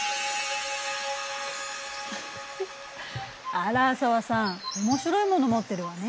あら紗和さん面白いもの持ってるわね。